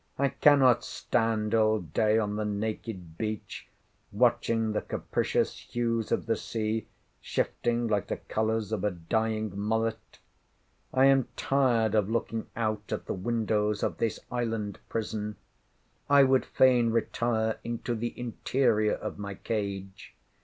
I cannot stand all day on the naked beach, watching the capricious hues of the sea, shifting like the colours of a dying mullet. I am tired of looking out at the windows of this island prison. I would fain retire into the interior of my cage.